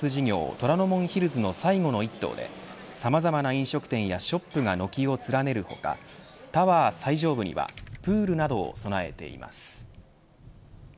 虎ノ門ヒルズの最後の１棟でさまざまな飲食店やショップが軒を連ねる他タワー最上部にはプールなどを備えています。